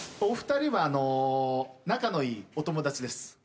お二人は仲のいいお友達です。